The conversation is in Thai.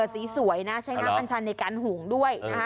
สีสวยนะใช้น้ำอัญชันในการหุงด้วยนะคะ